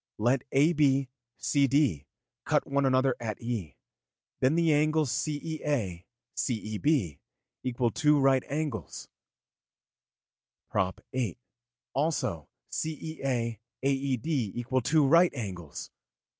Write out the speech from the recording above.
Let AB, CD, cut one another at E, then the angles CEA, CEB equal two right angles (prop. xiii.). Also CEA, AED equal two right angles.'